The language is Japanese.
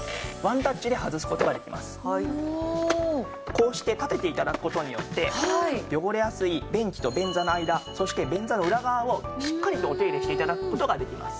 こうして立てて頂く事によって汚れやすい便器と便座の間そして便座の裏側をしっかりとお手入れして頂く事ができます。